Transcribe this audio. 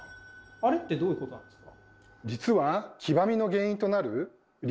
あれってどういうことなんですか？